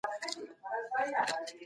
مرکې لوستل د انسان تجربه زیاتوي.